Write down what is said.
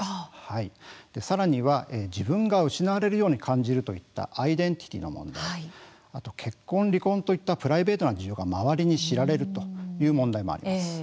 さらには自分が失われるように感じるといったアイデンティティーの問題結婚、離婚といったプライベートな事情が周りに知られるという問題もあります。